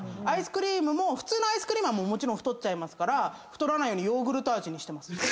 アイスクリームも普通のアイスクリームはもちろん太っちゃいますから太らないようにヨーグルト味にしてます。